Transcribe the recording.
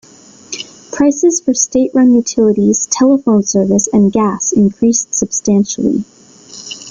Prices for state-run utilities, telephone service, and gas increased substantially.